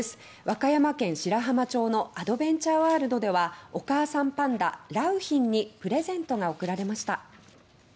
和歌山県白浜町のアドベンチャーワールドではお母さんパンダ・良浜にプレゼントが贈られました。